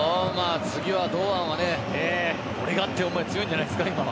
次は堂安は俺がっていう思い強いんじゃないですか。